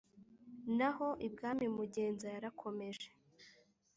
Naho ibwami mugenza Yarakomeje